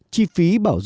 chi phí bảo dự